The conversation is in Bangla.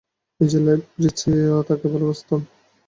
নিজের লাইব্রেরির চেয়েও তাকে ভালোবাসতেন।